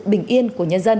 bình yên của nhân dân